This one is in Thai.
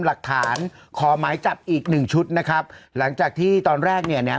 หลักฐานขอหมายจับอีกหนึ่งชุดนะครับหลังจากที่ตอนแรกเนี่ย